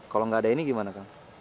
kalau tidak ada ini gimana kan